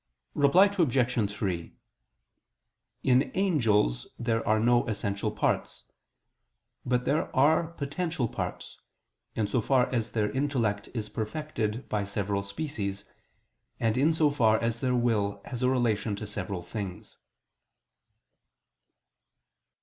Reply Obj. 3: In angels there are no essential parts: but there are potential parts, in so far as their intellect is perfected by several species, and in so far as their will has a relation to several things.